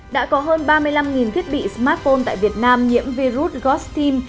đã có hơn ba mươi năm thiết bị smartphone tại việt nam nhiễm virus gostim